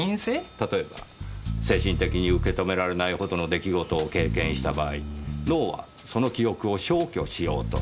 例えば精神的に受け止められないほどの出来事を経験した場合脳はその記憶を消去しようとする。